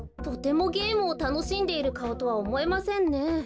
とてもゲームをたのしんでいるかおとはおもえませんね。